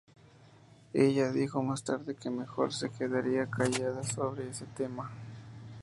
Ella dijo más tarde que mejor se quedaría callada sobre ese tema.